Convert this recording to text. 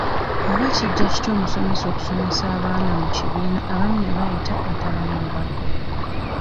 Oba kijja kitya omusomesa okusomesa abaana mu kibiina abamu ne bayita ate abamu ne bagwa?